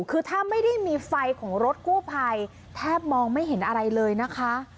คือถ้าไม่ได้มีไฟของรถกู้ภัยแทบมองไม่เห็นอะไรเลยนะคะ